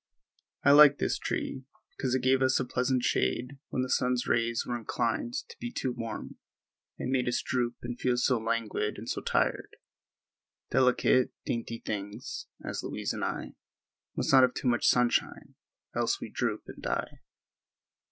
I liked this tree because it gave us a pleasant shade when the sun's rays were inclined to be too warm and made us droop and feel so languid and so tired. Delicate, dainty things, as Louise and I, must not have too much sunshine, else we droop and die.